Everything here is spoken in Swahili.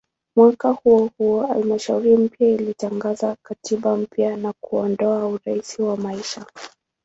Mwaka huohuo halmashauri mpya ilitangaza katiba mpya na kuondoa "urais wa maisha".